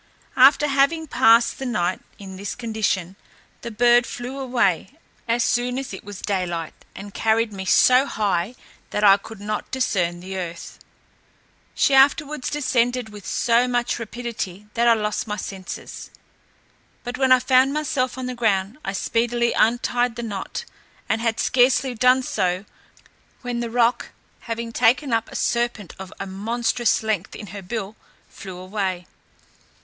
After having passed the night in this condition, the bird flew away as soon as it was daylight, and carried me so high, that I could not discern the earth; she afterwards descended with so much rapidity that I lost my senses. But when I found myself on the ground, I speedily untied the knot, and had scarcely done so, when the roc, having taken up a serpent of a monstrous length in her bill, flew away.